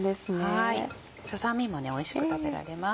ささ身もおいしく食べられます。